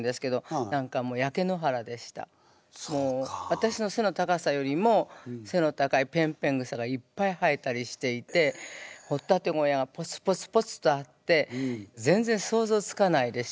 私のせの高さよりもせの高いぺんぺん草がいっぱい生えたりしていて掘っ立て小屋がポツポツポツとあって想像つかない。